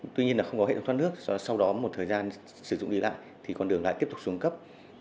tuy nhiên là không có hệ thống thoát nước sau đó một thời gian sử dụng đi lại thì con đường lại tiếp tục xuống cấp